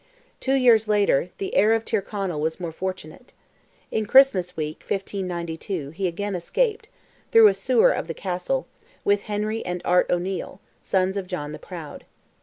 Two years later, the heir of Tyrconnell was more fortunate. In Christmas week, 1592, he again escaped, through a sewer of the Castle, with Henry and Art O'Neil, sons of John the Proud.